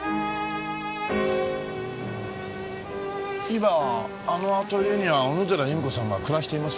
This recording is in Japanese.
今あのアトリエには小野寺由美子さんが暮らしていますよね？